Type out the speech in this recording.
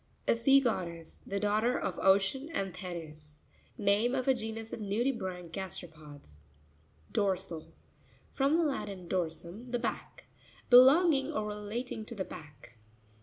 —A sea goddess, the daughter of Ocean and Thetys. Name ofa genus of nudibranch gasteropods (page 65). Do'rsat.—From the Latin, dorsum, the back. Belonging or relating to the back.